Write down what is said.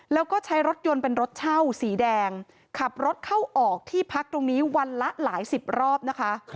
แล้วก็ใช้รถยนต์เป็นรถเช่าสีแดงขับรถเข้าออกที่พักตรงนี้วันละหลายสิบรอบนะคะ